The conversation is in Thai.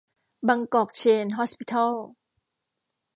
บางกอก เชน ฮอสปิทอล